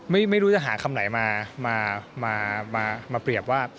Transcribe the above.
ไม่รู้จะหาคำไหนมามาเปรียบว่า